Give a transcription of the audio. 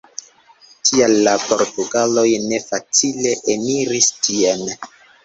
Tial la portugaloj ne facile eniris tien.